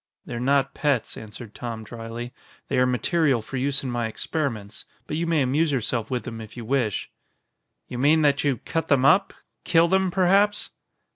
"They're not pets," answered Tom dryly, "they are material for use in my experiments. But you may amuse yourself with them if you wish." "You mean that you cut them up kill them, perhaps?"